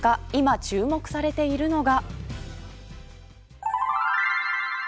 今、注目されているのが。